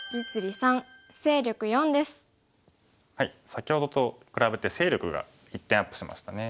先ほどと比べて勢力が１点アップしましたね。